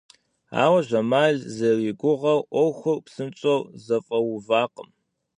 Ауэ Жамал зэригугъэу ӏуэхур псынщӏэу зэфӏэувакъым.